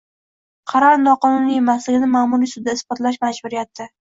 Qaror noqonuniy emasligini ma’muriy sudda isbotlash majburiyati